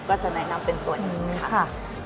ก็จะแนะนำเป็นตัวนี้ค่ะ